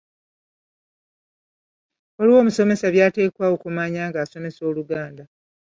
Waliwo omusomesa by’ateekwa okumanya ng’asomesa Oluganda.